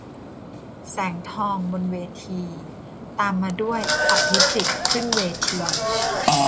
แสงทอง บนเวที - ตามมาด้วย อภิสิทธิ์ ขึ้นเวที